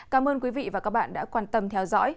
cảm ơn quý vị và các bạn đã quan tâm theo dõi